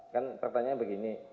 kan pertanyaan begini